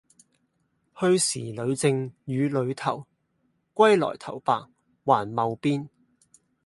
去時里正與裹頭，歸來頭白還戍邊！